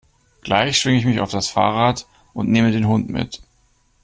Gleich schwinge ich mich auf das Fahrrad und nehme den Hund mit.